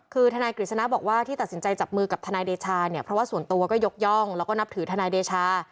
คือทนายกฤษณะบอกว่าที่ตัดสินใจจับมือกับทนายเดชาเนี่ยเพราะว่าส่วนตัวก็ยกย่องแล้วก็นับถือทนายเดชา